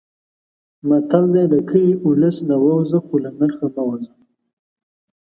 متل دی: له کلي، اولس نه ووځه خو له نرخه مه وځه.